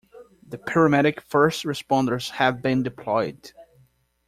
The paramedic first responders have been deployed.